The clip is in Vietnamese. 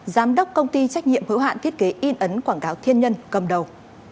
giám đốc công ty trách nhiệm hữu hạn thiết kế in ấn quảng cáo thiên nhân cầm đầu